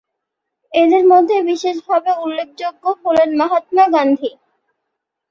এঁদের মধ্যে বিশেষভাবে উল্লেখযোগ্য হলেন মহাত্মা গান্ধী।